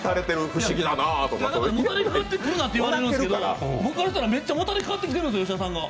もたれてくるなと言われてるんですけど、俺からしたらもたれかかってきてるんですよ、吉田さんが。